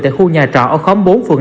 tại khu nhà trọ ở khóm bốn phường năm